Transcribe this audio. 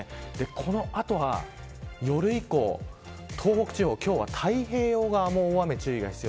この後は夜以降、東北地方今日は太平洋側も大雨に注意です。